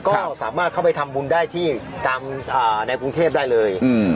ก็สามารถเข้าไปทำบุญได้ที่ตามในกรุงเทพได้เลย